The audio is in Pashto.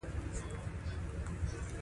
لسګونه غوښتنې دي.